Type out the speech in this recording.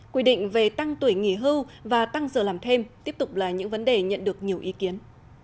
quy định về tăng tuổi nghỉ hưu và tăng giờ làm thêm tiếp tục là những vấn đề nhận được nhiều ý kiến